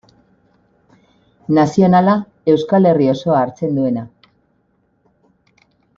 Nazionala, Euskal Herri osoa hartzen duena.